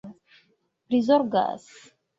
prizorgas